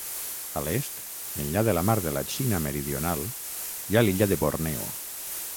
A l'est, enllà de la mar de la Xina meridional, hi ha l'illa de Borneo.